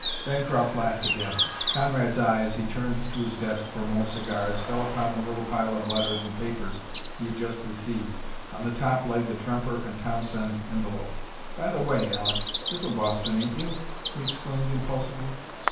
Bancroft laughed again. Conrad's eye, as he turned to his desk for more cigars, fell upon the little pile of letters and papers he had just received. On the top lay the Tremper & Townsend envelope. "By the way, Aleck, you're from Boston, ain't you?" he exclaimed impulsively.